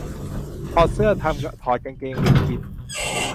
ถอดเสื้อทำ ถอดกางเกงลิงกิน